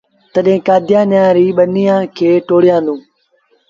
تڏهيݩ ڪآديآنيآن ريٚݩ ٻنيآݩ کي ٽوڙيآندي۔